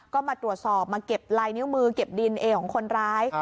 ก็มาตรวจสอบมาเก็บลายนิ้วมือเก็บดินเอของคนร้าย